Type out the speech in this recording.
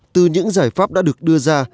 từ những giải pháp đã được đưa ra